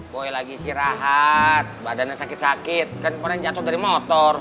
boy lagi sih rahat badannya sakit sakit kan pernah jatuh dari motor